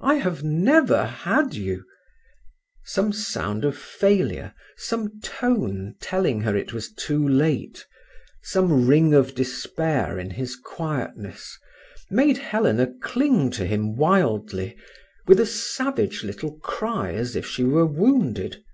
I have never had you …" Some sound of failure, some tone telling her it was too late, some ring of despair in his quietness, made Helena cling to him wildly, with a savage little cry as if she were wounded.